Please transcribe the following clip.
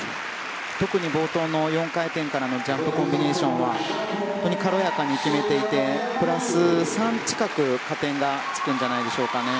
特に冒頭の４回転からのジャンプコンビネーションは本当に軽やかに決めていてプラス３近く加点がつくんじゃないでしょうかね。